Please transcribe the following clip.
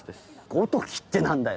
「ごとき」って何だよ？